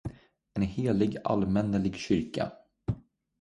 en helig allmännelig kyrka